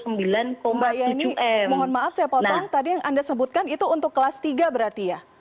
mbak yeni mohon maaf saya potong tadi yang anda sebutkan itu untuk kelas tiga berarti ya